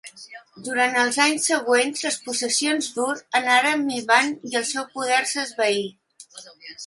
Durant els anys següents, les possessions d'Ur anaren minvant i el seu poder s'esvaí.